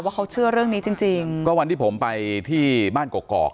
เขาเชื่อเรื่องนี้จริงจริงก็วันที่ผมไปที่บ้านกอก